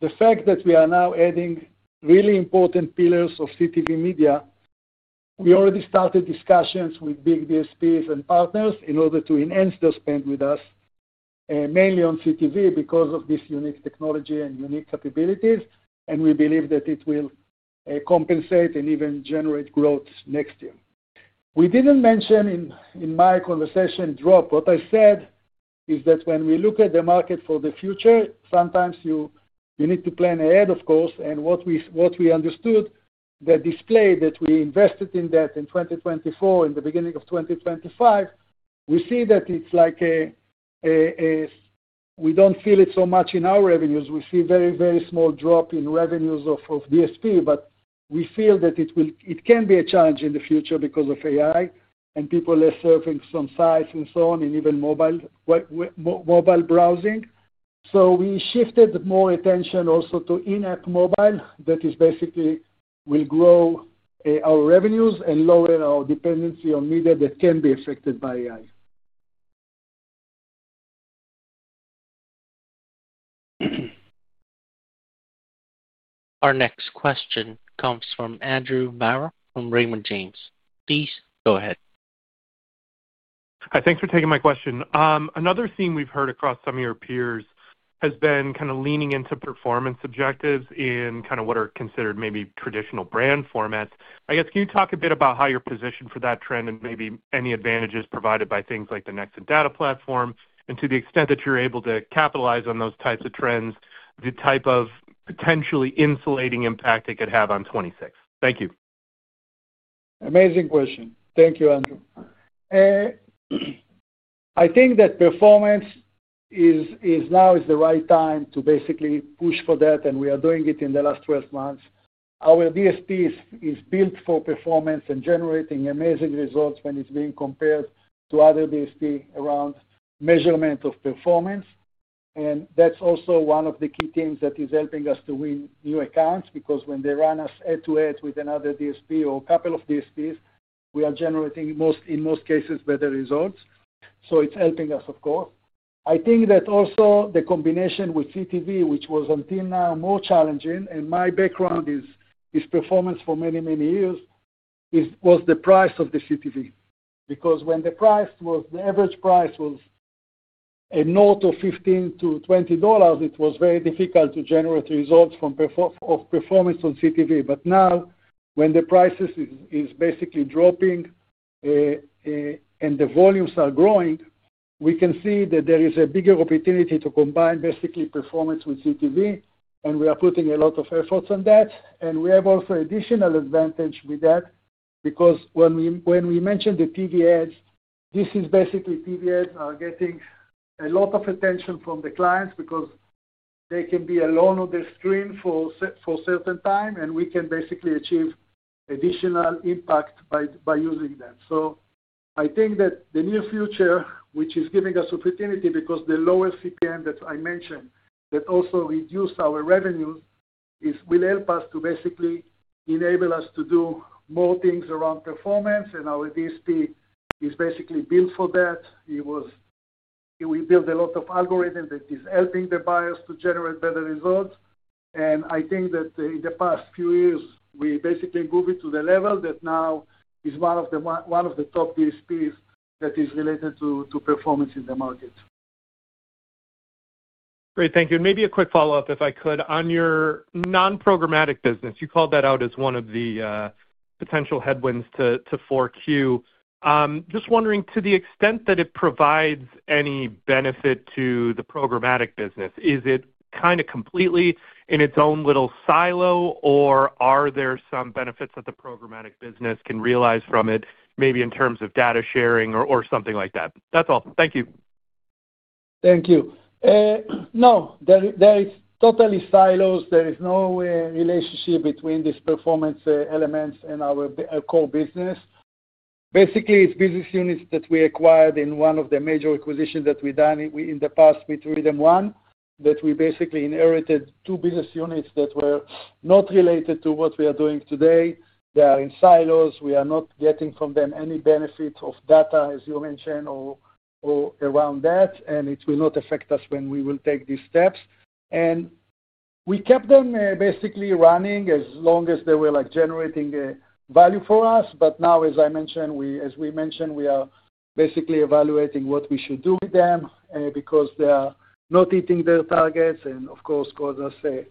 the fact that we are now adding really important pillars of CTV media, we already started discussions with big DSPs and partners in order to enhance their spend with us, mainly on CTV because of this unique technology and unique capabilities, and we believe that it will compensate and even generate growth next year. We didn't mention in my conversation drop. What I said is that when we look at the market for the future, sometimes you need to plan ahead, of course. And what we understood, the display that we invested in that in 2024, in the beginning of 2025, we see that it's like we don't feel it so much in our revenues. We see a very, very small drop in revenues of DSP, but we feel that it can be a challenge in the future because of AI and people are surfing some sites and so on, and even mobile browsing. So we shifted more attention also to in-app mobile that is basically will grow our revenues and lower our dependency on media that can be affected by AI. Our next question comes from Andrew Marok from Raymond James. Please go ahead. Hi, thanks for taking my question. Another theme we have heard across some of your peers has been kind of leaning into performance objectives in kind of what are considered maybe traditional brand formats. I guess, can you talk a bit about how you are positioned for that trend and maybe any advantages provided by things like the Nexxen Data platform and to the extent that you are able to capitalize on those types of trends, the type of potentially insulating impact it could have on 2026? Thank you. Amazing question. Thank you, Andrew. I think that performance is now the right time to basically push for that, and we are doing it in the last 12 months. Our DSP is built for performance and generating amazing results when it is being compared to other DSP around measurement of performance. That is also one of the key things that is helping us to win new accounts because when they run us head-to-head with another DSP or a couple of DSPs, we are generating, in most cases, better results. It is helping us, of course. I think that also the combination with CTV, which was until now more challenging, and my background is performance for many, many years, was the price of the CTV. When the average price was a note of $15-$20, it was very difficult to generate results of performance on CTV. Now, when the prices are basically dropping and the volumes are growing, we can see that there is a bigger opportunity to combine basically performance with CTV, and we are putting a lot of efforts on that. We have also additional advantage with that because when we mentioned the TV ads, this is basically TV ads are getting a lot of attention from the clients because they can be alone on their screen for a certain time, and we can basically achieve additional impact by using them. I think that the near future, which is giving us opportunity because the lower CPM that I mentioned that also reduced our revenues will help us to basically enable us to do more things around performance, and our DSP is basically built for that. We built a lot of algorithms that are helping the buyers to generate better results. I think that in the past few years, we basically moved it to the level that now is one of the top DSPs that is related to performance in the market. Great. Thank you. Maybe a quick follow-up, if I could, on your non-programmatic business. You called that out as one of the potential headwinds to 4Q. Just wondering, to the extent that it provides any benefit to the programmatic business, is it kind of completely in its own little silo, or are there some benefits that the programmatic business can realize from it, maybe in terms of data sharing or something like that? That's all. Thank you. Thank you. No, they are totally silos. There is no relationship between these performance elements and our core business. Basically, it's business units that we acquired in one of the major acquisitions that we've done in the past with RhythmOne, that we basically inherited two business units that were not related to what we are doing today. They are in silos. We are not getting from them any benefit of data, as you mentioned, or around that, and it will not affect us when we will take these steps. We kept them basically running as long as they were generating value for us. Now, as I mentioned, as we mentioned, we are basically evaluating what we should do with them because they are not hitting their targets and, of course, cause us a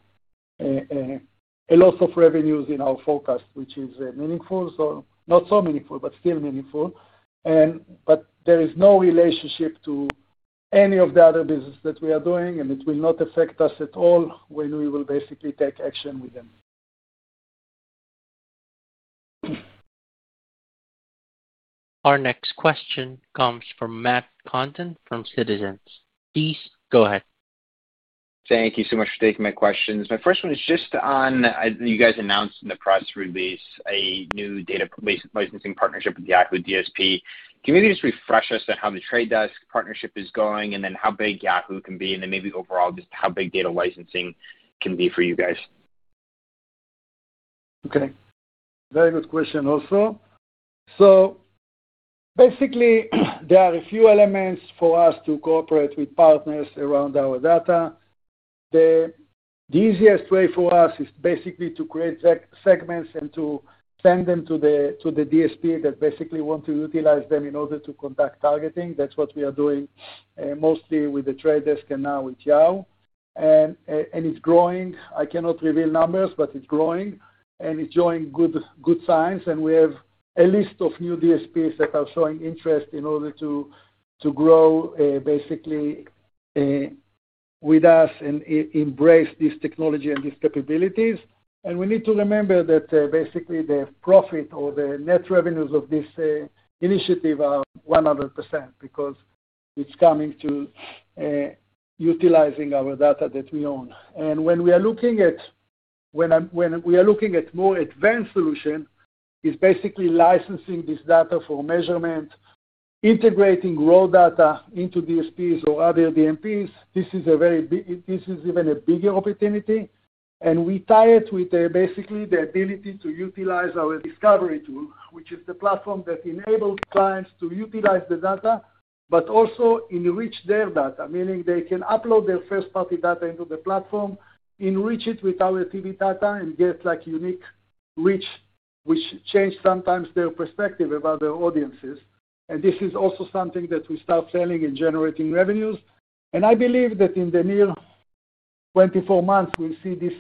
loss of revenues in our forecast, which is meaningful. Not so meaningful, but still meaningful. There is no relationship to any of the other businesses that we are doing, and it will not affect us at all when we will basically take action with them. Our next question comes from Matt Condon from Citizens. Please go ahead. Thank you so much for taking my questions. My first one is just on you guys announced in the press release a new data licensing partnership with Yahoo DSP. Can you maybe just refresh us on how the Trade Desk partnership is going and then how big Yahoo can be? And then maybe overall, just how big data licensing can be for you guys? Okay. Very good question also. So basically, there are a few elements for us to cooperate with partners around our data. The easiest way for us is basically to create segments and to send them to the DSP that basically want to utilize them in order to conduct targeting. That's what we are doing mostly with the Trade Desk and now with Yahoo. And it's growing. I cannot reveal numbers, but it's growing. And it's showing good signs. We have a list of new DSPs that are showing interest in order to grow basically with us and embrace this technology and these capabilities. We need to remember that basically the profit or the net revenues of this initiative are 100% because it is coming to utilizing our data that we own. When we are looking at more advanced solutions, it is basically licensing this data for measurement, integrating raw data into DSPs or other DMPs. This is even a bigger opportunity. We tie it with basically the ability to utilize our Discovery tool, which is the platform that enables clients to utilize the data, but also enrich their data, meaning they can upload their first-party data into the platform, enrich it with our TV data, and get unique reach, which changes sometimes their perspective about their audiences. This is also something that we start selling and generating revenues. I believe that in the near 24 months, we'll see these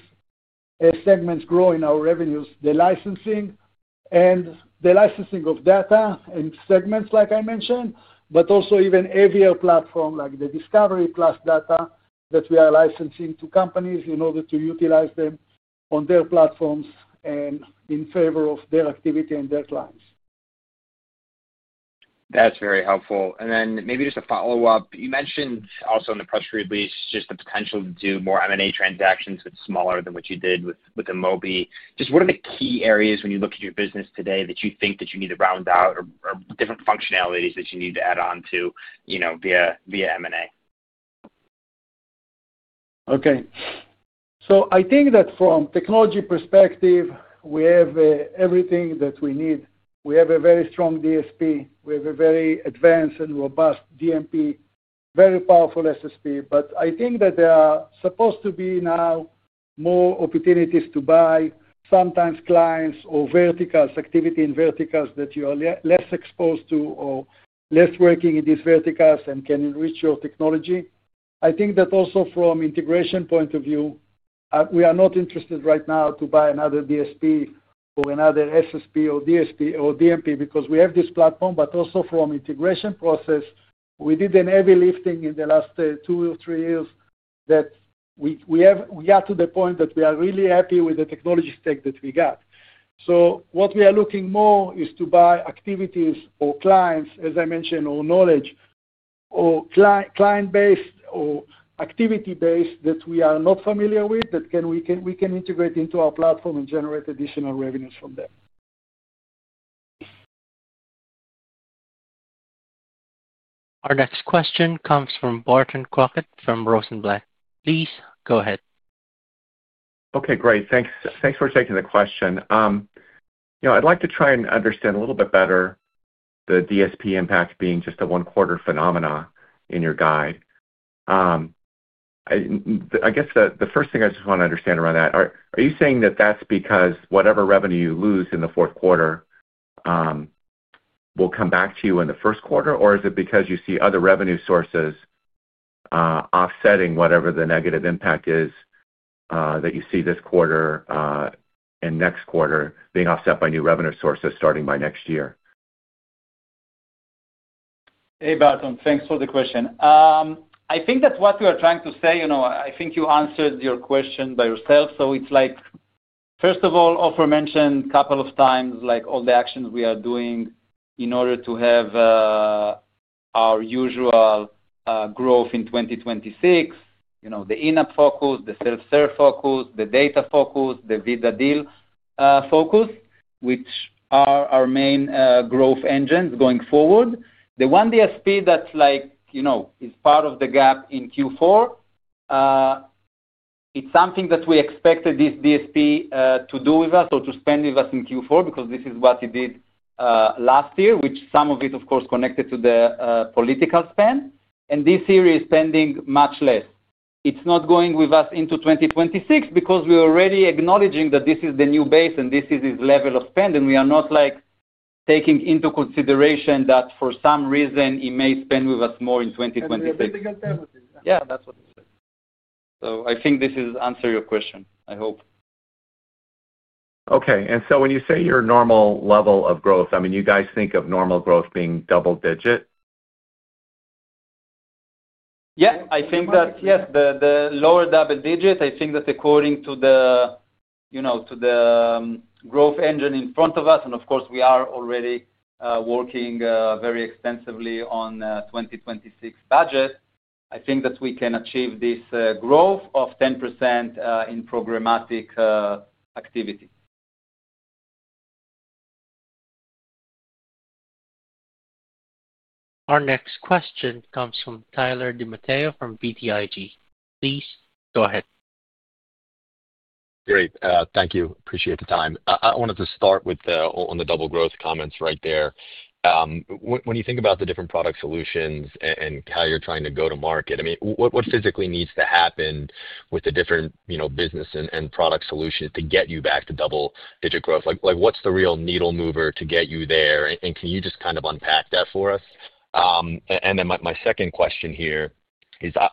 segments grow in our revenues, the licensing of data and segments, like I mentioned, but also even heavier platforms like the Discovery+ data that we are licensing to companies in order to utilize them on their platforms and in favor of their activity and their clients. That's very helpful. Maybe just a follow-up. You mentioned also in the press release just the potential to do more M&A transactions that's smaller than what you did with Amobee. Just what are the key areas when you look at your business today that you think that you need to round out or different functionalities that you need to add onto via M&A? Okay. I think that from a technology perspective, we have everything that we need. We have a very strong DSP. We have a very advanced and robust DMP, very powerful SSP. I think that there are supposed to be now more opportunities to buy sometimes clients or verticals, activity in verticals that you are less exposed to or less working in these verticals and can enrich your technology. I think that also from an integration point of view, we are not interested right now to buy another DSP or another SSP or DMP because we have this platform. Also from an integration process, we did a heavy lifting in the last two or three years that we got to the point that we are really happy with the technology stack that we got. What we are looking for is to buy activities or clients, as I mentioned, or knowledge or client-based or activity-based that we are not familiar with that we can integrate into our platform and generate additional revenues from there. Our next question comes from Barton Crockett from Rosenblatt. Please go ahead. Great. Thanks for taking the question. I'd like to try and understand a little bit better the DSP impact being just a one-quarter phenomena in your guide. I guess the first thing I just want to understand around that, are you saying that that's because whatever revenue you lose in the fourth quarter will come back to you in the first quarter, or is it because you see other revenue sources offsetting whatever the negative impact is that you see this quarter and next quarter being offset by new revenue sources starting by next year? Hey, Barton. Thanks for the question. I think that what we are trying to say, I think you answered your question by yourself. It's like, first of all, Ofer mentioned a couple of times all the actions we are doing in order to have our usual growth in 2026, the in-app focus, the self-serve focus, the data focus, the VIDAA deal focus, which are our main growth engines going forward. The one DSP that's part of the gap in Q4, it's something that we expected this DSP to do with us or to spend with us in Q4 because this is what it did last year, which some of it, of course, connected to the political spend. This year is spending much less. It's not going with us into 2026 because we are already acknowledging that this is the new base and this is his level of spend, and we are not taking into consideration that for some reason he may spend with us more in 2026. Yeah, that's what he said. I think this answers your question, I hope. Okay. When you say your normal level of growth, I mean, you guys think of normal growth being double-digit? Yeah. I think that, yes, the lower double-digit, I think that according to the growth engine in front of us, and of course, we are already working very extensively on the 2026 budget, I think that we can achieve this growth of 10% in programmatic activity. Our next question comes from Tyler DiMatteo from BTIG. Please go ahead. Great. Thank you. Appreciate the time. I wanted to start on the double growth comments right there. When you think about the different product solutions and how you're trying to go to market, I mean, what physically needs to happen with the different business and product solutions to get you back to double-digit growth? What's the real needle mover to get you there? Can you just kind of unpack that for us? My second question here is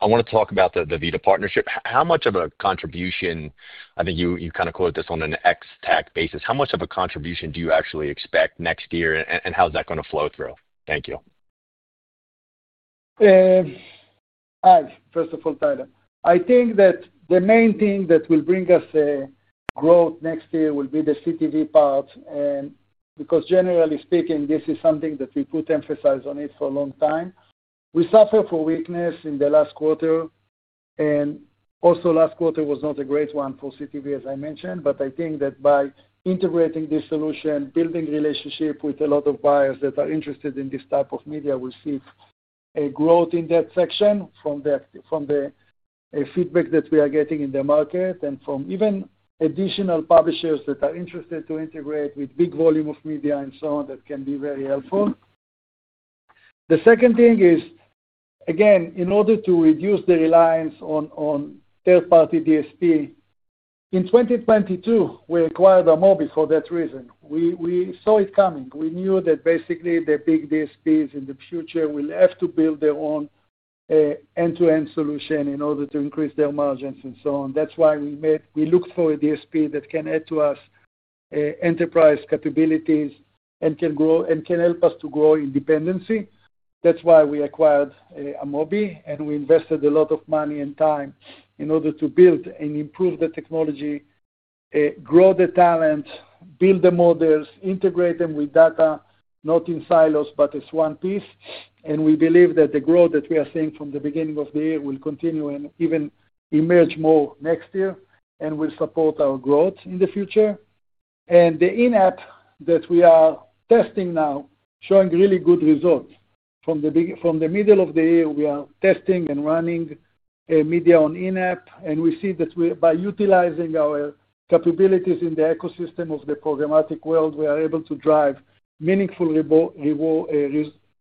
I want to talk about the VIDAA partnership. How much of a contribution, I think you kind of quote this on an ex-TAC basis, how much of a contribution do you actually expect next year, and how is that going to flow through? Thank you. Hi. First of all, Tyler, I think that the main thing that will bring us growth next year will be the CTV part. Because generally speaking, this is something that we put emphasis on for a long time, we suffered for weakness in the last quarter. Also, last quarter was not a great one for CTV, as I mentioned. I think that by integrating this solution, building relationships with a lot of buyers that are interested in this type of media, we will see a growth in that section from the feedback that we are getting in the market and from even additional publishers that are interested to integrate with big volume of media and so on that can be very helpful. The second thing is, again, in order to reduce the reliance on third-party DSP, in 2022, we acquired Amobee for that reason. We saw it coming. We knew that basically the big DSPs in the future will have to build their own end-to-end solution in order to increase their margins and so on. That is why we looked for a DSP that can add to us enterprise capabilities and can help us to grow independency. That is why we acquired Amobee, and we invested a lot of money and time in order to build and improve the technology, grow the talent, build the models, integrate them with data, not in silos, but as one piece. We believe that the growth that we are seeing from the beginning of the year will continue and even emerge more next year and will support our growth in the future. The in-app that we are testing now is showing really good results. From the middle of the year, we are testing and running media on in-app, and we see that by utilizing our capabilities in the ecosystem of the programmatic world, we are able to drive meaningful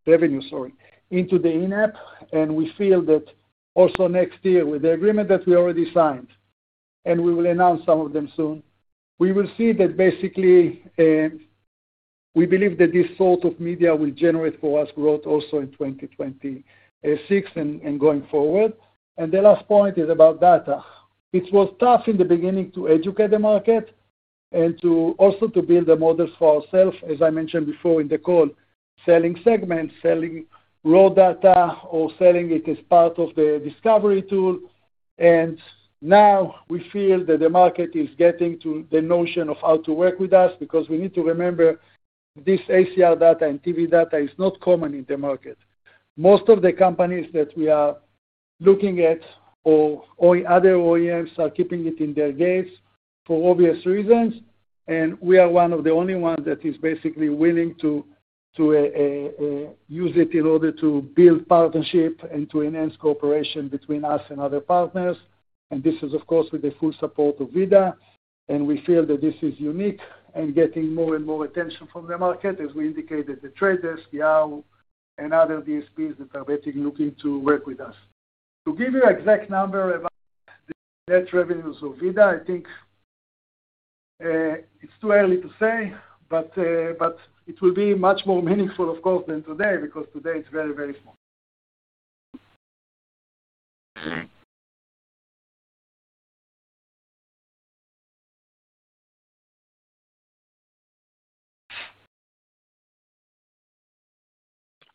revenue, sorry, into the in-app. We feel that also next year, with the agreement that we already signed, and we will announce some of them soon, we will see that basically we believe that this sort of media will generate for us growth also in 2026 and going forward. The last point is about data. It was tough in the beginning to educate the market and also to build the models for ourselves, as I mentioned before in the call, selling segments, selling raw data, or selling it as part of the Discovery tool. Now we feel that the market is getting to the notion of how to work with us because we need to remember this ACR data and TV data is not common in the market. Most of the companies that we are looking at or other OEMs are keeping it in their gates for obvious reasons. We are one of the only ones that is basically willing to use it in order to build partnership and to enhance cooperation between us and other partners. This is, of course, with the full support of VIDAA. We feel that this is unique and getting more and more attention from the market as we indicated The Trade Desk, Yahoo, and other DSPs that are basically looking to work with us. To give you an exact number about the net revenues of VIDAA, I think it's too early to say, but it will be much more meaningful, of course, than today because today it's very, very small.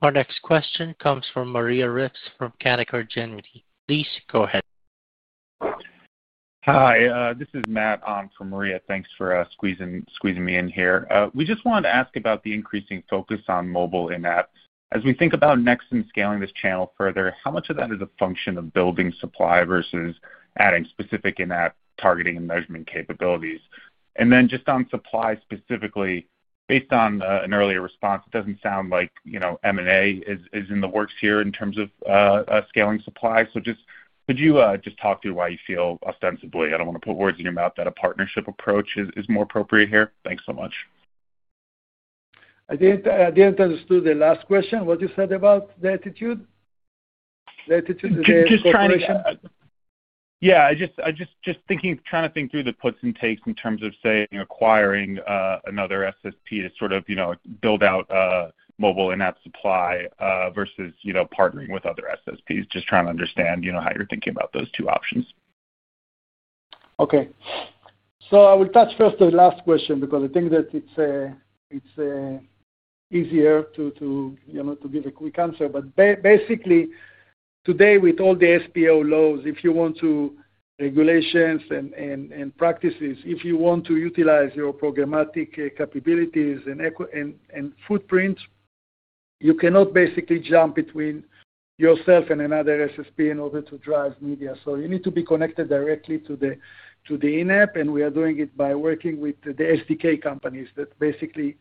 Our next question comes from Maria Ripps from Canaccord Genuity. Please go ahead. Hi. This is Matt Owen from Maria. Thanks for squeezing me in here. We just wanted to ask about the increasing focus on mobile in-app. As we think about Nexxen scaling this channel further, how much of that is a function of building supply versus adding specific in-app targeting and measurement capabilities? And then just on supply specifically, based on an earlier response, it doesn't sound like M&A is in the works here in terms of scaling supply. Could you just talk through why you feel ostensibly, I do not want to put words in your mouth, that a partnership approach is more appropriate here? Thanks so much. I did not understand the last question. What you said about the attitude? The attitude of the partnership? Yeah. Just trying to think through the puts and takes in terms of, say, acquiring another SSP to sort of build out mobile in-app supply versus partnering with other SSPs. Just trying to understand how you are thinking about those two options. Okay. I will touch first on the last question because I think that it is easier to give a quick answer. Basically, today, with all the SPO laws, if you want to, regulations and practices, if you want to utilize your programmatic capabilities and footprint, you cannot basically jump between yourself and another SSP in order to drive media. You need to be connected directly to the in-app, and we are doing it by working with the SDK companies that basically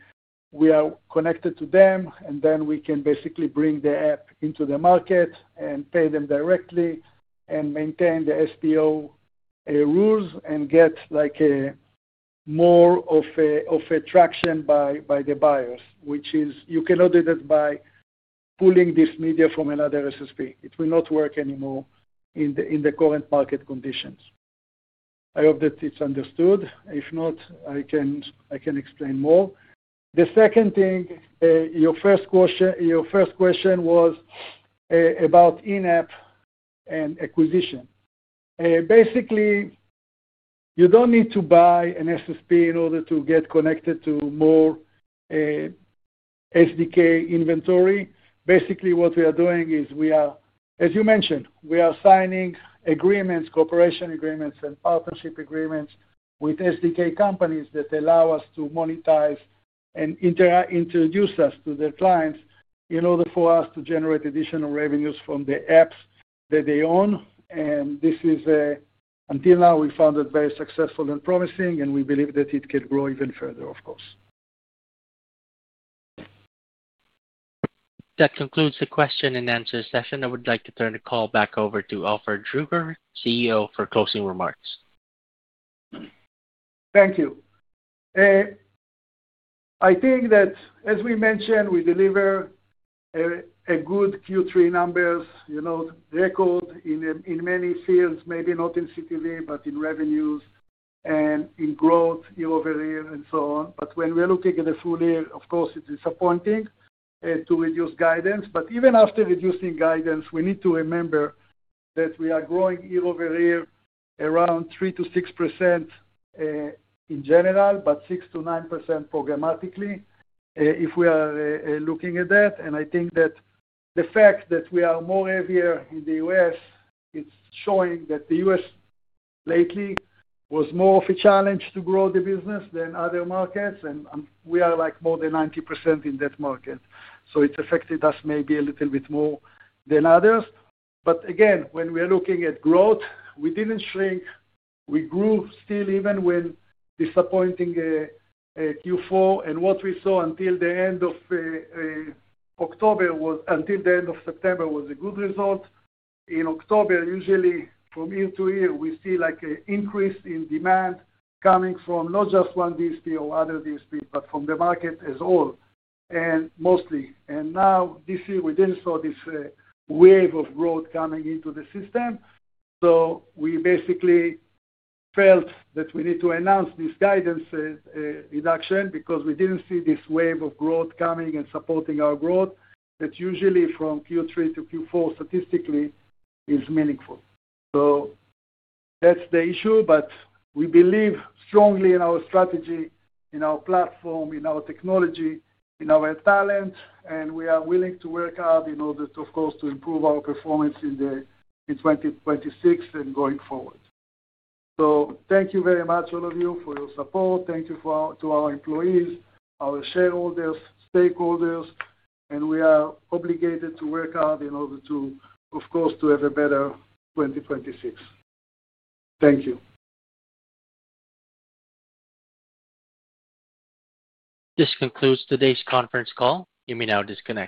we are connected to them, and then we can basically bring the app into the market and pay them directly and maintain the SPO rules and get more of a traction by the buyers, which is you cannot do that by pulling this media from another SSP. It will not work anymore in the current market conditions. I hope that it's understood. If not, I can explain more. The second thing, your first question was about in-app and acquisition. Basically, you don't need to buy an SSP in order to get connected to more SDK inventory. Basically, what we are doing is, as you mentioned, we are signing agreements, cooperation agreements, and partnership agreements with SDK companies that allow us to monetize and introduce us to their clients in order for us to generate additional revenues from the apps that they own. Until now, we found it very successful and promising, and we believe that it can grow even further, of course. That concludes the question and answer session. I would like to turn the call back over to Ofer Druker, CEO, for closing remarks. Thank you. I think that, as we mentioned, we deliver a good Q3 numbers, record in many fields, maybe not in CTV, but in revenues and in growth year over year and so on. When we are looking at the full year, of course, it's disappointing to reduce guidance. Even after reducing guidance, we need to remember that we are growing year over year around 3%-6% in general, but 6%-9% programmatically if we are looking at that. I think that the fact that we are more heavier in the U.S., it's showing that the U.S. lately was more of a challenge to grow the business than other markets, and we are more than 90% in that market. It has affected us maybe a little bit more than others. Again, when we are looking at growth, we did not shrink. We grew still even with a disappointing Q4. What we saw until the end of October was, until the end of September, was a good result. In October, usually from year to year, we see an increase in demand coming from not just one DSP or other DSP, but from the market as all, and mostly. Now this year, we didn't see this wave of growth coming into the system. We basically felt that we need to announce this guidance reduction because we didn't see this wave of growth coming and supporting our growth that usually from Q3-Q4 statistically is meaningful. That's the issue. We believe strongly in our strategy, in our platform, in our technology, in our talent, and we are willing to work hard in order to, of course, improve our performance in 2026 and going forward. Thank you very much, all of you, for your support. Thank you to our employees, our shareholders, stakeholders, and we are obligated to work hard in order to, of course, have a better 2026. Thank you. This concludes today's conference call. You may now disconnect.